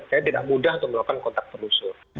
jadi tidak mudah untuk melakukan kontak telusur